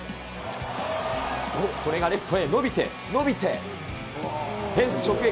これがレフトへ伸びて、伸びて、フェンス直撃。